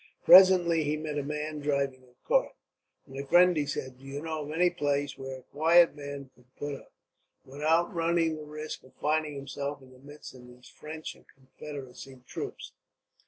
Presently he met a man driving a cart. "My friend," he said, "do you know of any place where a quiet man could put up, without running the risk of finding himself in the midst of these French and Confederacy troops?"